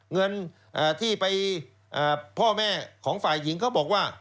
เงินที่ไปพ่อแม่ของฝ่ายหญิงเขาบอกว่า